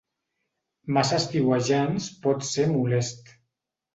Massa estiuejants pot ser molest